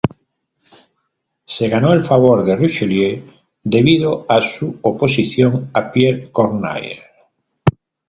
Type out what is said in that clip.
Se ganó el favor de Richelieu debido a su oposición a Pierre Corneille.